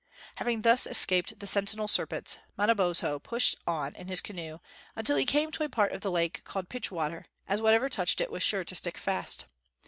Having thus escaped the sentinel serpents, Mana bozho pushed on in his canoe until he came to a part of the lake called Pitch water, as whatever touched it was sure to stick fast.